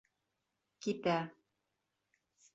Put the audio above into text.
Китә.